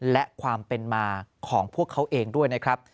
และความเป็นมาของพวกเขาเองด้วยนะครับ